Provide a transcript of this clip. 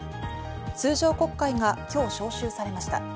通常国会が今日招集されました。